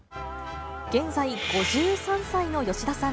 現在５３歳の吉田さん。